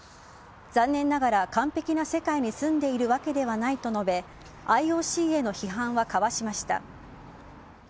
残念ながら完璧な世界に住んでいるわけではないと述べＩＯＣへの批判はかわしました。